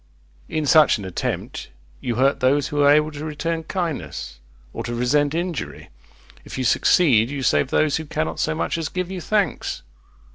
In such an attempt you hurt those who are able to return kindness, or to resent injury. If you succeed, you save those who cannot so much as give you thanks.